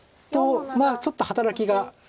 まあちょっと働きが。